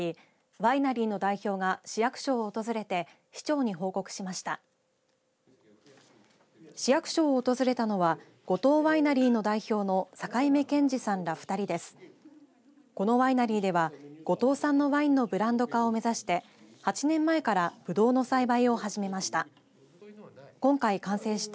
このワイナリーでは五島産のワインのブランド化を目指して８年前からぶどうの栽培を始めました。